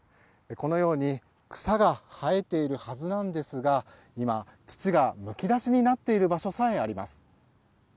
このように草が生えているはずなんですが今、土がむき出しになっている場所さえあります。